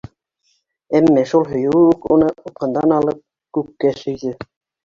Әммә шул һөйөүе үк уны упҡындан алып, күккә сөйҙө.